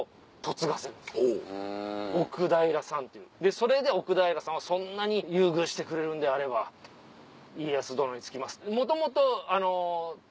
それで奥平さんは「そんなに優遇してくれるんであれば家康殿につきます」と。